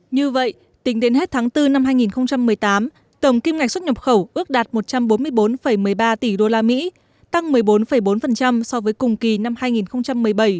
như vậy tính đến hết tháng bốn năm hai nghìn một mươi tám tổng kim ngạch xuất nhập khẩu ước đạt một trăm bốn mươi bốn một mươi ba tỷ usd tăng một mươi bốn bốn so với cùng kỳ năm hai nghìn một mươi bảy